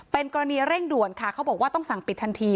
เป็นกรณีเร่งด่วนค่ะเขาบอกว่าต้องสั่งปิดทันที